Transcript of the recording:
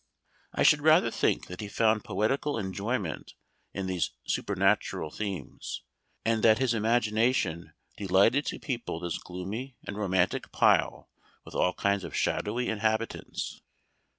I should rather think that he found poetical enjoyment in these supernatural themes, and that his imagination delighted to people this gloomy and romantic pile with all kinds of shadowy inhabitants.